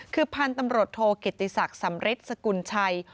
คือพันธุ์ตำรวจโทกิติศักดิ์สำริทสกุลชัย